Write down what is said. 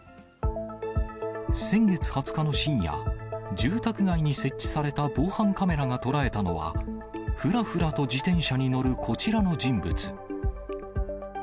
先月２０日の深夜、住宅街に設置された防犯カメラが捉えたのは、ふらふらと自転車に乗るこちらの人物。